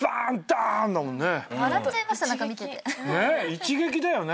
一撃だよね。